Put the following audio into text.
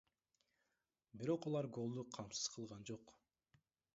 Бирок алар голду камсыз кылган жок.